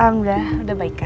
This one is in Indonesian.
udah udah baikan